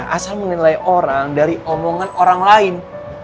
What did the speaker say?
asal menilai orang dari omongan orang lain